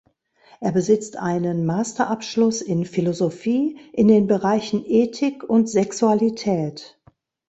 Er besitzt einen Masterabschluss in Philosophie in den Bereichen Ethik und Sexualität.